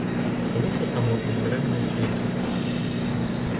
І вось я самотны, дарэмна іх клічу.